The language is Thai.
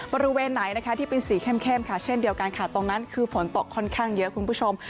บริเวณไหนนะคะที่เป็นสีเข้มค่ะเช่นเดียวกันค่ะตรงนั้นคือฝนตกค่อนข้างเยอะคุณผู้ชม